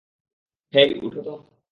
হেই, উঠো তো!